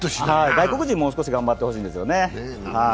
外国人、もうちょっと頑張ってほしいですよね。